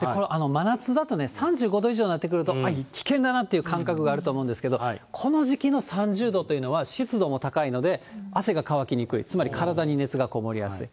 真夏だとね、３５度以上になってくると危険だなっていう感覚があると思うんですけど、この時期の３０度というのは、湿度も高いので汗が乾きにくい、つまり体に熱がこもりやすい。